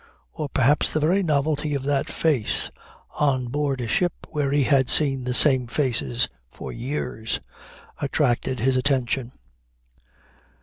Or perhaps the very novelty of that face, on board a ship where he had seen the same faces for years, attracted his attention.